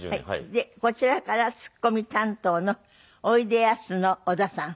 でこちらからツッコミ担当のおいでやすの小田さん。